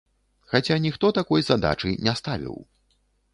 Хаця ніхто такой задачы не ставіў.